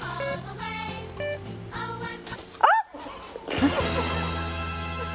・あっ！